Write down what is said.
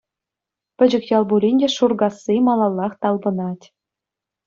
Пӗчӗк ял пулин те Шуркасси малаллах талпӑнать…